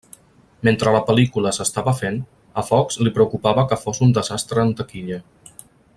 Mentre la pel·lícula s'estava fent, a Fox li preocupava que fos un desastre en taquilla.